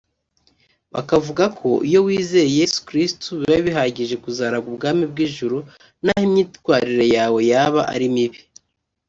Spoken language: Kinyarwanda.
Bakavuga ko iyo wizeye Yesu Kristo biba bihagije kuzaragwa ubwami bw’ijuru naho imyitwarire yawe yaba ari mibi